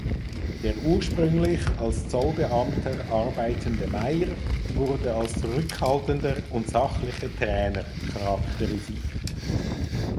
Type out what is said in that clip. Der ursprünglich als Zollbeamter arbeitende Mayr wurde als zurückhaltender und sachlicher Trainer charakterisiert.